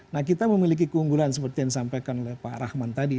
nah kita memiliki keunggulan seperti yang disampaikan oleh pak rahman tadi